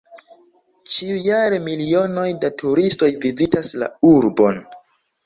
Ĉiujare milionoj da turistoj vizitas la urbon.